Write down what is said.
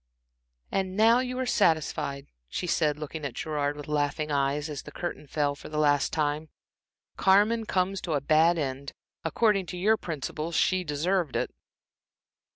"And now you are satisfied," she said, looking at Gerard with laughing eyes, as the curtain fell for the last time. "Carmen comes to a bad end. According to your principles! she deserved it."